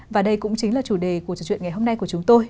và đây cũng chính là chủ đề của trò chuyện ngày hôm nay của chúng tôi